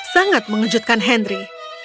sangat mengejutkan henry